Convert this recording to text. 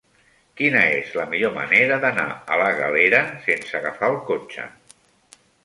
Quina és la millor manera d'anar a la Galera sense agafar el cotxe?